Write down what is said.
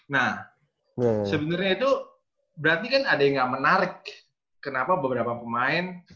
nah sebenarnya itu berarti kan ada yang gak menarik kenapa beberapa pemain